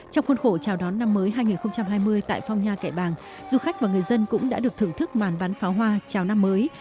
trong khuôn khổ chào đón năm mới hai nghìn hai mươi tại phong nha kẻ bàng du khách và người dân cũng đã được thưởng thức màn bán pháo hoa chào năm mới